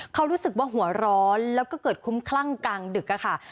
เขารู้สึกว่าหัวร้อนแล้วก็เกิดคุ้มคลั่งกลางดึกค่ะ